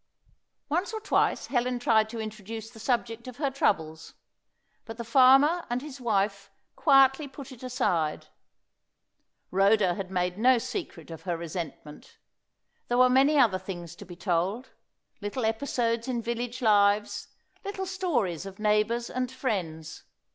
Once or twice Helen tried to introduce the subject of her troubles, but the farmer and his wife quietly put it aside. Rhoda had made no secret of her resentment. There were many other things to be told; little episodes in village lives; little stories of neighbours and friends.